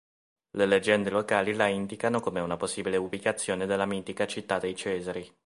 Le leggende locali la indicano come una possibile ubicazione della mitica Città dei Cesari.